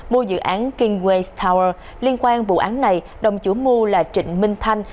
mua dự án kingway tower liên quan vụ án này đồng chủ mưu là trịnh minh thanh